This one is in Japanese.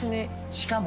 しかも。